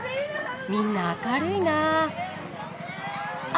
みんな明るいなあ。